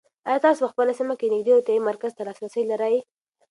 آیا تاسو په خپله سیمه کې نږدې روغتیایي مرکز ته لاسرسی لرئ؟